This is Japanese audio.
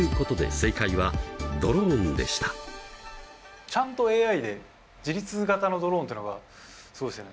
ということでちゃんとＡＩで自律型のドローンってのがすごいですよね。